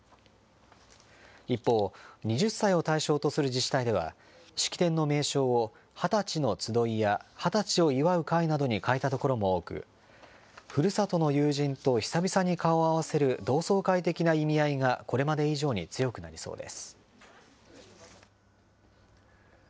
一方、２０歳を対象とする自治体では、式典の名称を二十歳のつどいや、二十歳を祝う会などに変えたところも多く、ふるさとの友人と久々に顔を合わせる同窓会的な意味合いがこれまで以上に強くなりそうです。